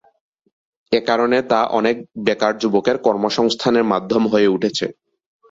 এ কারণে তা অনেক বেকার যুবকের কর্মসংস্থানের মাধ্যম হয়ে উঠেছে।